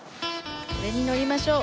これに乗りましょう。